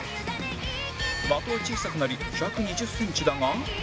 的は小さくなり１２０センチだが